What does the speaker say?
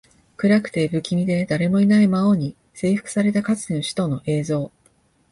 暗くて、不気味で、誰もいない魔王に征服されたかつての首都の映像